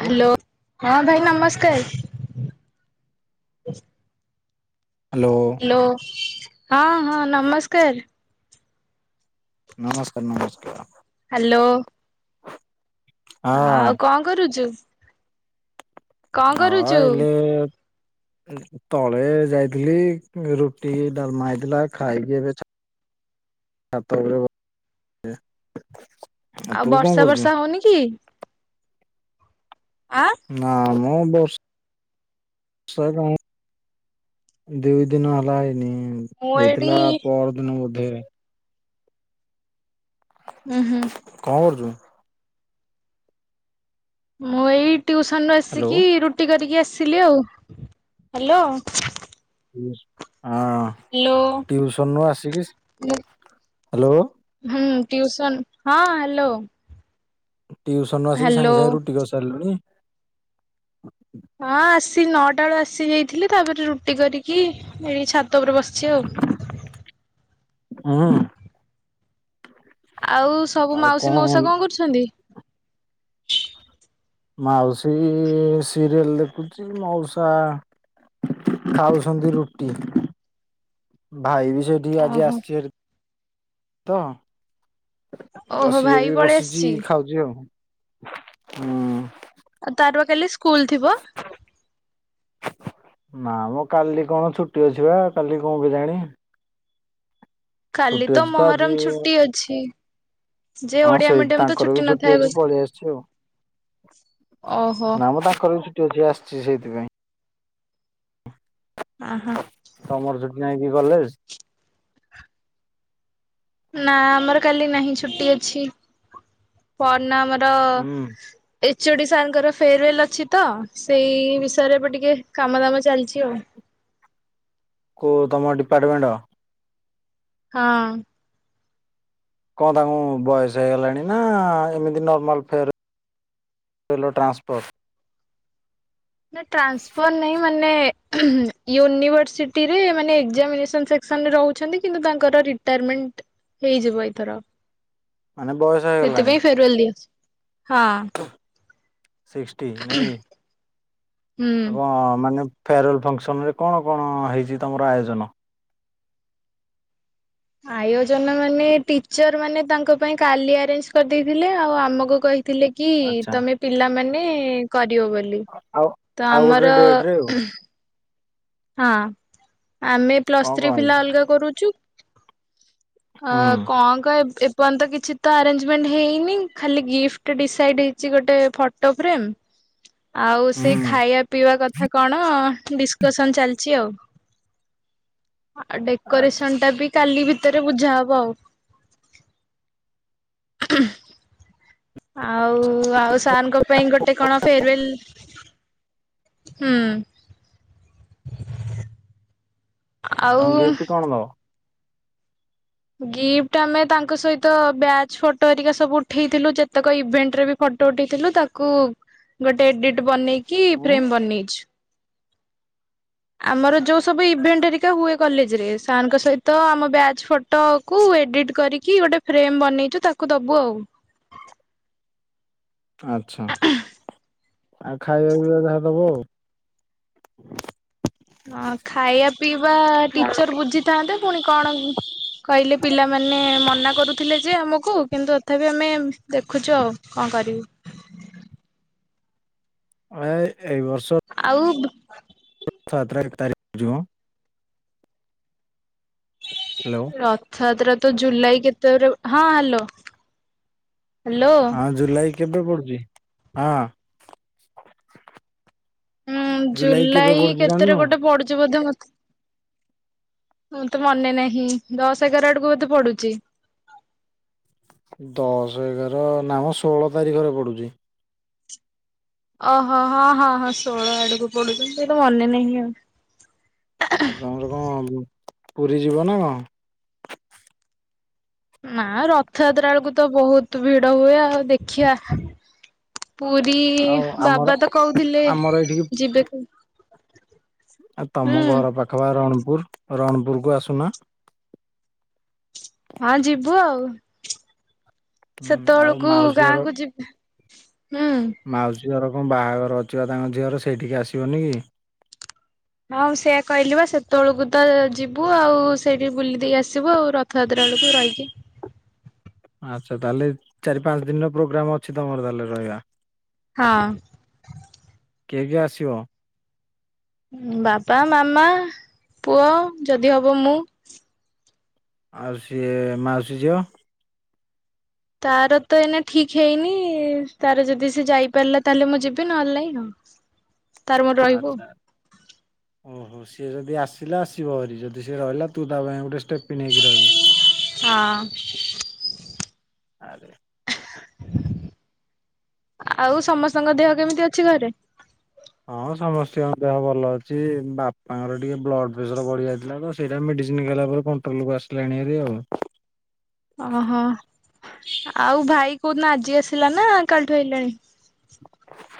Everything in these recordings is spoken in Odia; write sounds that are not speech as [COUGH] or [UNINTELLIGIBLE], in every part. ହ୍ୟାଲୋ ହଁ ଭାଇ ନମସ୍କାର। ହ୍ୟାଲୋ ହଁ ହଁ ନମସ୍କାର। ନମସ୍କାର ନମସ୍କାର। ହ୍ୟାଲୋ। ହଁ ଆଉ କଣ କରୁଚୁ? ହଁ ଏଇଲେ ତଳେ ଯାଇଥିଲି ରୁଟି ଡାଲମା ହେଇଥିଲା ଖାଇକି ଏବେ ଛାତ ଉପରେ ଆଉ ତୁ କଣ ବର୍ଷା କରୁଛୁ? ବର୍ଷା ହଉନି କି? ଆ ନା ମୁଁ ବ ସ ଗା ଦି ଦିନ ହେଲାଏନି ମୁଁ ଏଇଠି ହେଇଥିଲା ପର ଦିନ ବୋଧେ! ଉଁ ହୁଁ। କଁ କରୁଛୁ? ମୁଁ ଏଇ ଟ୍ୟୁସନ୍ ରୁ ହ୍ୟାଲୋ ଆସିକି ରୁଟି କରିକି ଆସିଲି ଆଉ। ହ୍ୟାଲୋ! ଉସ୍ ଆଁ। ହ୍ୟାଲୋଁ! ହୁଁ, ହ୍ୟାଲୋ ଟ୍ୟୁସନ ହଁ, ହ୍ୟାଲୋ ଟ୍ୟୁସନରୁ ଆସିକି ହ୍ୟାଲୋ। ସାଙ୍ଗେ ସାଙ୍ଗେ ରୁଟି କରିସାରିଲୁଣି। ହଁ, ଆସି ନଅଟା ଅଳୁ ଆସି ଯାଇଥିଲି, ତାପରେ ରୁଟି କରିକି, ଏଠି ଛାତ ଉପରେ ବସିଛି ଆଉ। ଉଁ ଆଉ ସବୁ ମାଉସୀ ମଉସା କଣ କରୁଛନ୍ତି? ମାଉସୀ-ଇ ସିରିଏଲ୍ ଦେଖୁଛି। ମଉସା ଖାଉଛନ୍ତି ରୁଟି। ଭାଇ ବି ସେଠିକି ଆଜି ଓହୋ ଆସିଛି ହାରି। ତ, ଓହୋ ସିଏ ଭାଇ ବି ପଳେଇ ବସିଛି ଆସିଛି ଖାଉଛି ଆଉ। ଉଁ। ଆଉ, ତାର ବା କାଲି ସ୍କୁଲ ଥିବ? ନା, ମୋ କାଲି କଣ ଛୁଟି ଅଛି ବା, କାଲି କଣ କେଜାଣି? କାଲି ଛୁଟି ତ ଅଛି ଆଜି ମହରମ୍ ଛୁଟି ଅଛି। ଯେ ହଁ, ଓଡିଆ ସେଇ ମିଡିୟମ ତ ତାଙ୍କର ବି ଛୁଟି ନଥାଏ ଅଛି। ବୋଧେ ପଳେଇ ଆସିଛି ଆଉ। ଓହୋ ନା, ମ ତାଙ୍କର ବି ଛୁଟି ଅଛି, ଆସିଛି ସେଇଥିପାଇଁ। ଆହଁ। ତମର ଛୁଟି ନାହିଁକି କଲେଜ? ନା ଆମର କାଲି ନାହିଁ, ଛୁଟି ଅଛି। ପର୍ ନ ହୁଁ ଆମର-ଅ ଏଚ୍ ଓ ଡ଼ି ସାର୍ ଙ୍କର ଫେରୱେଲ୍ ଅଛି ତ, ସେଇ ବିଷୟରେ ଏବେ ଟିକେ କାମ ଦାମ ଚାଲିଛି ଆଉ। କଉ ତମ ଡିପାର୍ଟମେଣ୍ଟ? ହଁ। କଣ ତାଙ୍କୁ ବୟସ ହେଇଗଲାଣି ନା, ଏମିତି ନର୍ମାଲ ଫେର୍ ତେଲ ଟ୍ରାନସ୍ପୋର୍ଟ। ନା ଟ୍ରାନ୍ସଫର୍ ନାହିଁ ମାନେ ମାନ ୟୁନିଭର୍ସିଟିରେ ମାନେ ଏକ୍ଜାମିନେସନ୍ ସେକ୍ସନରେ ରହୁଛନ୍ତି କିନ୍ତୁ ତାଙ୍କର ରି ଟାର୍ମେଣ୍ଟ ହେଇଯିବ ଏଇଥର। ମାନେ ବୟସ ହେଇଗଲାଣି। [UNINTELLIGIBLE] ହଁ। ସିକ୍ସଟି ନାହିଁକି। ହୁଁ। ଆ କଣ ମାନେ ଫେୟାରୱେଲ ଫଙ୍କସନ୍ ରେ କଣ କଣ ହେଇଛି ତମର ଆୟୋଜନ? ଆୟୋଜନ ମାନେ ଟିଚର୍ ମାନେ ତାଙ୍କ ପାଇଁ କାଲି ଆରେଞ୍ଜ କରିଦେଇଥିଲେ। ଆଉ ଆମକୁ କହିଥିଲେ କି ଆଚ୍ଛା। ତମେ ପିଲାମାନେ କରିବ ବୋଲି। ଆଉ ତ ଆଉ ଗୋଟେ ଆମର ଡେଟ ରେ ହଁ, ଆମେ ପ୍ଲସ୍ ଆଉ କଣ ଥ୍ରୀ କଣ ପିଲା ହେଇଛି ଅଲଗା କରୁଛୁ। ଅ ହୁଁ କଣ କହି ଏବ୍ ପନ୍ତ କିଛି ତ ଆରେଞ୍ଜମେଣ୍ଟ ହେଇନି। ଖାଲି ଗିଫ୍ଟ ଡିସାଇଡ୍ ହେଇଛି ଗୋଟେ ଫଟୋ ଫ୍ରେମ୍। ଆଉ ସେଇ ହୁଁ। ଖାଇବା ପିଇବା କଥା କଣ ଡିସ୍ କ ସନ୍ ଚାଲିଚି ଆଉ। ଆ ଆଛା ଡେକୋରେସନ୍ ଏଟା ବି କାଲି ଭିତରେ ବୁଝା ହବ ଆଉ। ଆଉ ଆଉ ସାର୍ ଙ୍କ ପାଇଁ ଗୋଟେ କଣ ଫେରୱଲ ହୁଁ। ଆଉ ତାଙ୍କୁ ଗିଫ୍ଟ କଣ ଦବ? ଗିଫ୍ଟ ଆମେ ତାଙ୍କ ସହିତ ବ୍ୟାଚ୍ ଫଟୋ ହେରିକା ସବୁ ଉଠେଇଥିଲୁ, ଯେତେକ ଇଭେଣ୍ଟରେ ବି ଫଟୋ ଉଠିଥିଲୁ। ତାକୁ ଗୋଟେ ଏଡିଟ୍ ବନେଇକି ଉଁ? ଫ୍ରେମ୍ ବନେଇଛୁ। ଆମର ଯୋଉ ସବୁ ଇଭେଣ୍ଟ ହେରିକା ହୁଏ କଲେଜରେ, ସାର୍ ଙ୍କ ସହିତ ଆମ ବ୍ୟାଚ୍ ଫୋ ଫଟ କୁ ଏଡିଟ୍ କରିକି ଗୋଟେ ଫ୍ରେମ୍ ବନେଇଛୁ, ତାକୁ ଦବୁ ଆଉ। ଆଚ୍ଛା। ଆଉ ଖାଇବା ପିଇବା ଯାହା ଦବ ଆଉ। ଆଉ ଖାଇବା ପିଇବା ଟିଚର ବୁଝିଥାନ୍ତେ ପୁଣି କଣ କହିଲେ ପିଲାମାନେ ମନା କରୁଥିଲେ ଯେ ଆମକୁ। କିନ୍ତୁ ତଥାପି ଆମେ ଦେଖୁଚୁ ଆଉ କଣ କରିବୁ? ଅ ଏଇ ବର୍ଷ ଆଉ [UNINTELLIGIBLE] ତାରିଖ ଯୋଉ ହ ହାଲୋ। ରଥଯାତ୍ରା ତ ଜୁଲାଇ କେତେରେ ହଁ ହାଲୋ। ହଁ ଜୁଲାଇ କେବେ ପଡୁଚି ହଁ। ହୁଁ କେବେ ଜୁଲାଇ ପଡୁଛି କେତେରେ ଜାଣିନୁ? ଗୋଟେ ପଡୁଚି ବୋଧେ ମତେ ମୋତେ ମନେ ନାହିଁ ଦଶ ଏଗାର ଆଡକୁ ବୋଧେ ପଡୁଚି? ଦଶ ଏଗାର ନାମ ଷୋହଳ ତାରିଖରେ ପଡୁଚି। ଓହୋ ହଁ ହଁ ହଁ ଷୋଳ ଆଡକୁ ପଡୁଚି। ମୋର ମନେ ନାହିଁ ଆଉ। ଆଉ ତମର କଣ ପୁରୀ ଯିବ ନା କଣ? ନା ରଥଯାତ୍ରା ବେଳକୁ ତ ବହୁତ ଭିଡ ହୁଏ ଆଉ ଦେଖିବା। ପୁରୀ ଆଉ ଆମର ବାବା ତ କହୁଥିଲେ ଆମର ଯିବାକୁ। ଆ ତମ ଘର ପାଖ ବା ରଣପୁର ରଣପୁର କୁ ଆସୁନ। ହଁ ଯିବୁ ଆଉ ହୁଁ ଆଉ ସେତେବେଳକୁ ମାଉସୀ ଘର ଗାଁ କ ଯିବ ହୁଁ। ମାଉସୀ ଘର କଣ ବାହାଘର ଅଛି ବା ତାଙ୍କ ଝିଅର ସେଇଠିକି ଆସିବନି କି? ହଁ ସେୟଆ କହିଲି ବା ସେତେବେଳକୁ ତ ଯିବୁ ଆଉ, ସେଇଠି ବୁଲି ଦେଇକି ଆସିବୁ ଆଉ ର ଥଯାତ୍ରା ବେଳକୁ ରହିକି ଆଚ୍ଛା ତାହେଲେ ଚାରି ପାଞ୍ଚ ଦିନର ପ୍ରୋଗ୍ରାମ ଅଛି ତମର ତାହେଲେ ରହିବା। ହଁ। କିଏ କିଏ ଆସିବ? ବାପା ମାମା ପୁଅ ଯଦି ହବ ମୁଁ। ଆଉ ସିଏ ମାଉସୀ ଝିଅ? ତାର ତ ଏଇନା ଠିକ୍ ହେଇନି। ତାର ଯଦି ସେ ଯାଇପାରିଲା ତାହେଲେ ମୁଁ ଯିବି ନହେଲେ ନାହିଁ ଆଉ। [INAUDIBLE] ରହିବୁ ଆଛା। [INAUDIBLE] ଓହୋ ସିଏ ଯଦି ଆସିଲା ଆସିବ ହରି। ଯଦି ସିଏ ରହିଲା ତୁ ତା ପାଇଁ ଗୋଟେ ଷ୍ଟେପିନ ହେଇକି ରହିବୁ। ହଁ। ଆରେ ଆଉ ସମସ୍ତଙ୍କ ଦେହ କେମିତି ଅଛି ଘରେ? ହଁ ସମସ୍ତଙ୍କ ଦେହ ଭଲ ଅଛି। ବାପାଙ୍କର ଟିକେ ବ୍ଲଡ ପ୍ରେସର ବଢି ଯାଇଥିଲା ତ। ସେଇଟା ମେଡିସିନ ଗଲା ପରେ କଣ୍ଟ୍ରଲ କୁ ଆସିଲାଣି ହରି ଆଉ। ଓହୋ ଆଉ ଭାଇ କୋଉ ଦିନ ଆଜି ଆସିଲା ନା କାଲିଠୁ ଆସିଲାନି?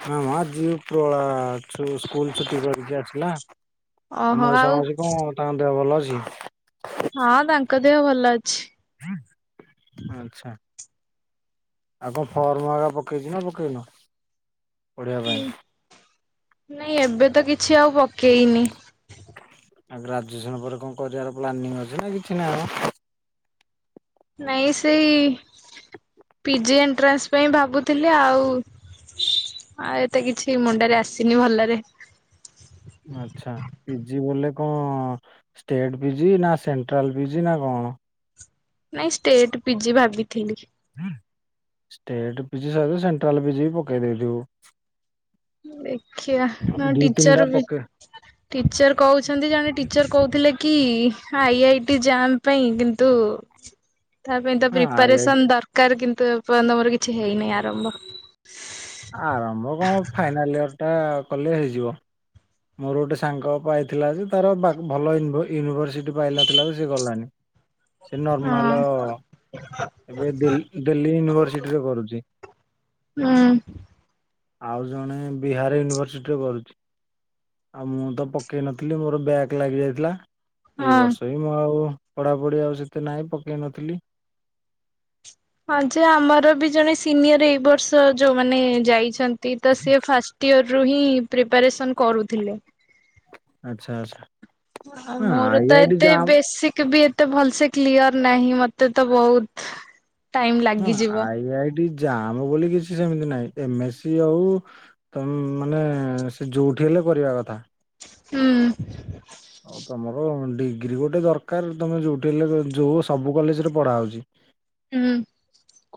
ହଁ ମ ଆଜି ଉପର ଓଳା ଛୁ ସ୍କୁଲ ଛୁଟି କରିକି ଆସିଲା। ଆଉ ମଉସା ମାଉସି କଣ ତାଙ୍କ ଦେହ ଭଲ ଅଛି? ହଁ ତାଙ୍କ ଦେହ ଭଲ ଅଛି। ଆଚ୍ଛା। ଆଉ କଣ ଫର୍ମ ହରିକା ପକେଇଚୁ ନା ପକେଇନ ପଢିବା ପାଇଁ? ନାଇଁ ଏବେ ତ କିଛି ଆଉ ପକେଇନି। ଆଉ ଗ୍ରାଜୁଏସନ ପରେ କଣ କରିବାର ପ୍ଲାନିଂ ଅଛି ନା କିଛି ନାହିଁ ମ? ନାଇଁ ସେଇ ପିଜି ଏଣ୍ଟ୍ରାନ୍ସ ପାଇଁ ଭାବୁଥିଲି ଆଉ ଆଉ ଏତେ କିଛି ମୁଣ୍ଡରେ ଆସିନି ଭଲରେ। ଆଚ୍ଛା ପିଜିି ବଲେ କଣ? ଷ୍ଟେଟ ପି ଜି ନା ସେଣ୍ଟ୍ରାଲ ପି ଜି ନା କଣ। ନାଇଁ ଷ୍ଟେଟ ପି ଜି ଭାବିଥିଲି। ଷ୍ଟେଟ ପି ଜି ସତ ସେଣ୍ଟ୍ରାଲ ପି ଜି ବି ପକେଇ ଦେଇଥିବୁ। ଦେଖିିବା ନ ଦି ତିନିଟା ଟିଚର ବି ପକେଇ ଟିଚର୍ କହୁଛନ୍ତି ଜଣେ ଟିଚର୍ କହୁଥିଲେ କି ଆଇ ଆଇ ଟି ଜାମ୍ ପାଇଁ କିନ୍ତୁ [INAUDIBLE] ତା ପାଇଁ ତ ହଁ ଆଇ ଆଇ ଟି ପ୍ରିପାରେସନ ଦରକାର କିନ୍ତୁ ଏ ପନ୍ତ ମୋର କିଛି ହେଇନହିଁ ଆରମ୍ଭ। ଆରମ୍ଭ କଣ ଫାଇନାଲ ଇୟର ଟା କଲେ ହେଇଯିବ। ମୋର ଗୋଟେ ସାଙ୍ଗ ପାଇଥିଲା ଯେ ତାର ବାଗ୍ ଭଲ ୟୁନିଭରସିଟି ପାଇନଥିଲା ତ ସେ ଗଲାନି। ସେ ହଁ ନର୍ମାଲ ଏବେ ଦିଲ୍ଲୀ ଦିଲ୍ଲୀ ୟୁନିଭରସିଟିରେ କରୁଛି। ହୁଁ। ଆଉ ଜଣେ ବିହାର ୟୁନିଭରସିଟିରେ କରୁଛି। ଆଉ ମୁଁ ତ ପକେଇ ନଥିଲି ମୋର ବ୍ୟାକ୍ ଲାଗି ଯାଇଥିଲା ଏଇ ହଁ। ବର୍ଷ ହିଁ ମୁଁ ଆଉ ପଢାପଢି ଆଉ ସେତେ ନହିଁ ପକେଇ ନଥିଲି। ହଁ ଯେ ଆମର ବି ଜଣେ ସିନିୟର ଏଇ ବର୍ଷ ଯୋଉମାନେ ଯାଇଛନ୍ ନ୍ତି ତ ସିଏ ଫାଷ୍ଟ ଇୟର ରୁ ହିଁ ପ୍ରିପାରେସନ୍ କରୁଥିଲେ। ଆଚ୍ଛା ଆଚ୍ଛା। ଅହ ହଁ ମୋର ଆଇ ତ ଆଇ ଟି ଏତେ ଜାମ୍ ବେସିକି ବି ଏ ତେ ଭଲ ସେେ କ୍ଲିୟର ନାହିଁ ମତେ ତ ବହୁତ ଟାଇମ ଲାଗିଯିବ। [UNINTELLIGIBLE] ଯାଆମ ବୋଲି କିଛି ସେମିତି ନାହିଁ ଏମ ଏ ସି ହଉ ତମ୍ ମାନେ ସେ ଯୋଉଠି ହେଲେ କରିବା କଥା। ହୁଁ। ଆଉ ତମର ଡିଗ୍ରୀ ଗୋଟେ ଦରକାର ତମେ ଯୋଉଠି ହେଲେ ଯୋ ଯୋଉ ସବୁ କଲେଜରେ ପଢା ହଉଛି। ହୁଁ।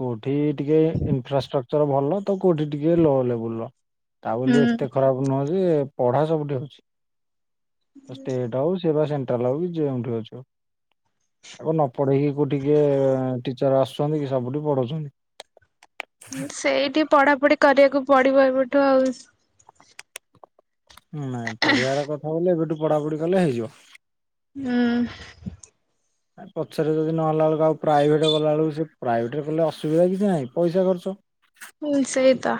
କୋଉଠି ଟିକେ ଇନଫ୍ରାଷ୍ଟ୍ରକ୍ଚର ଭଲ ତ କୋଉଠି ଟିକେ ଲୋ ଲେବୁଲ ର। ତା ବୋଲି ଏତେ ହୁଁ ଖରାପ ନୁହଁ ଯେ ପଢା ସବୁଠି ହୋଉଛି। [INAUDIBLE] ଟା ହଉ ସିଏ ବା ସେଣ୍ଟ୍ରାଲ ହଉ ଯେଉଁଠି ହଉଛି ହଉ। ଆ କ ନ ପଢେଇକି କଉଠି କିଏ ଟିଚର ଆସୁଛନ୍ତି କି ସବୁଠି ପଢଉଛନ୍ତି। ସେଇଠି ପଢା ପଢି କରିବାକୁ ପଡିବ ଏବେଠୁ ଆଉ। ନାଇଁ ପଢିଆର କଥା ବଲେ ଏବେଠୁ ପଢାପଢି କଲେ ହେଇଯିବ। ହୁଁ। ପଛରେ ଯଦି ନହଲା ବେଳକୁ ଆଉ ପ୍ରାଇଭେଟ ଗଲାବେଳକୁ ସେ ପ୍ରାଇଭେଟରେ କଲେ ଅୁସୁବିଧା କିଛି ନାହିଁ ପଇସା ଖର୍ଚ୍ଚ। ମୁଁ ଲି ସେଇତ।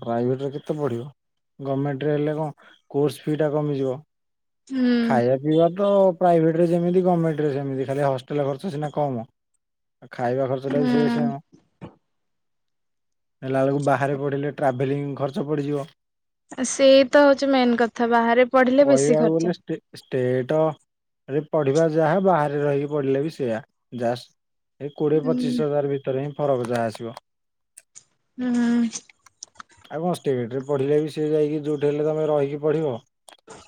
ପ୍ରାଇଭେଟରେ କେତେ ପଢ଼ିବ ଗମେଣ୍ଟରେ ହେଲେ କଣ କୋର୍ସ ଫି ଟା କମିଯିବ। ହୁଁ ଖାଇବା ପିଇବା ତ ପ୍ରାଇଭେଟ ରେ ଯେମିତି ଗମେଣ୍ଟ ରେ ସେମିତି ଖାଲି ହଷ୍ଟେଲ ଖର୍ଚ୍ଚ ସିନା କମ। ଖାଇବା ଖର୍ଚ୍ଚ ଟା ବି ସେଇ ସେମ। ହୁଁ ହେଲା ବେଳକୁ ବାହାରେ ପଢିଲେ ଟ୍ରାଭେଲିଂ ଖର୍ଚ୍ଚ ପଡ଼ିଯିବ। ସେଇ ତ ହଉଛି ମେନ୍ କଥା ବାହାରେ ପଢିଲେ ବେଶି ଖର୍ଚ୍ଚ। ଟେ ଷ୍ଟେଟ ରେ ପଢ଼ିବା ଯାହା ବାହାରେ ରହିକି ପଢିଲେ ବି ସେୟା ଜା ସ୍ ଏ କୋଡ଼ିଏ ହୁଁ ପଚିଶି ହଜାର ଭିତରେ ହିଁ ଫରକ ଯାହା ଆସିବ। ହୁଁ ହୁଁ। ଆଉ କଣ ଷ୍ଟେଟରେ ପଢ଼ିଲେ ବି ସେ ଯାଇକି ଯୋଉଠି ହେଲେ ତମେ ରହିକି ପଢ଼ିବ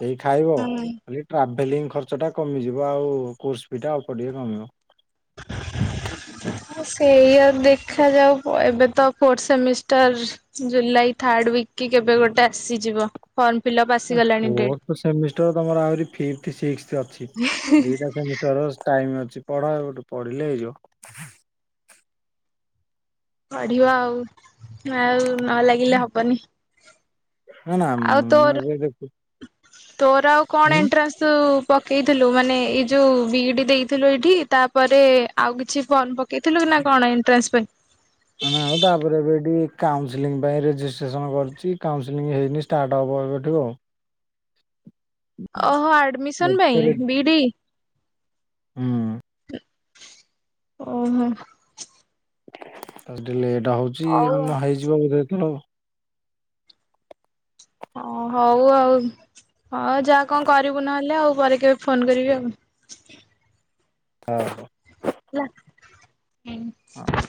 ସେଇ ଖାଇବ। ହୁଁ ଖାଲି ଟ୍ରାଭେଲିଂ ଖର୍ଚ୍ଚ ଟା କମିଯିବ ଆଉ କୋସ୍ ଫି ଟା ଅଳ୍ପ ଟିକେ କମିବ। [INAUDIBLE] ହ ସେଇଆ ଦେଖାାଯାଉ ପ ଏବେ ତ fourth semester July third week କି କେବେ ଗୋଟେ ଆସିଯିବ। ଫର୍ମ ଫିଲଅପ ଆ ଅ ଫୋର୍ଥ ସେମିଷ୍ଟାର ତମର ଆହୁରି ଫିଫ୍ଟୁ ଶିକ୍ସ୍ଥ ଅଛି ଦିଟା ସେମିସ୍ ତୋର ଷ୍ଟାଇମ୍ ଅଛି ପଢ ଏବଠୁ ପଢିଲେ ହେଇଯିବ। ପଢିବା ଆଉ ଆଉ ନ ଲାଗିଲେ ହବନି। ଆଉ ତୋର ମୁଇ ଦେଖୁଛି। ତୋର ଆଉ କଣ ଏଣ୍ଟ୍ରାସ୍ ତୁ ପକେଇଥିଲୁ ମାନେ ଏଇ ଯୋଉ ବିଡି ଦେଇଥିଲୁ ଏଇଠି ତାପରେ ଆଉ କିଛି ଫର୍ମ ଦେଇଥିଲୁ କି ନା କଣ ଏଣ୍ଟ୍ରାନ୍ସ ପାଇଁ? ନାଁ ଆଉ ତାପରେ ଏବେ ଏଠି କାଉନସେଲିଂ ପାଇଁ ରେଜିଷ୍ଟ୍ରେସନ କରିଛି। କାଉନସେଲିଂ ହେଇନି ଷ୍ଟାର୍ଟ ହବ ଏବେଠୁ ଆଉ। ଓହୋ ଆଡ଼ମିସନ୍ ପାଇଁ ଆଉ। ବିଇଡି? ହୁଁ। ଓହୋ ଆଜି ଟିକିଏ ଲେଟ୍ ହଉଛି ହଉ ହେଇଯିବ ବୋଧେ ଏଥର। ଓ ହୋଉ ଆଉ। ହୋଉ ଯା କଣ କରିବୁ ନହେଲେ ଆଉ ପରେ କେବେ ଫୋନ୍ କରିବି ଆଉ। ହ ହ। ହେଲା ଏନ୍